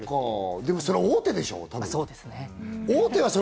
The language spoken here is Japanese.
でもそれは大手でしょ？